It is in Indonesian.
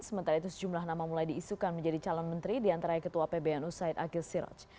sementara itu sejumlah nama mulai diisukan menjadi calon menteri diantara ketua pbnu said akil siroj